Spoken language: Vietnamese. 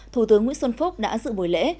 thủ tướng nguyễn xuân phúc đã dự buổi lễ